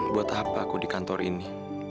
buat apa aku di kantor ini